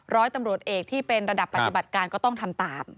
ร้อยตำรวจเอกที่เป็นระดับปฏิบัติการก็ต้องทำตาม